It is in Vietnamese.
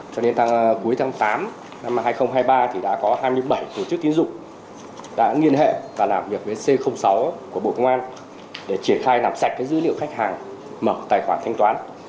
cho đến cuối tháng tám năm hai nghìn hai mươi ba thì đã có hai mươi bảy tổ chức tín dụng đã nghiên hệ và làm việc với c sáu của bộ công an để triển khai làm sạch dữ liệu khách hàng mở tài khoản thanh toán